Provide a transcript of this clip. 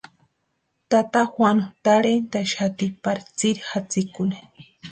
Tata Juanu tarhentʼaxati pari tsiri jatsikuni.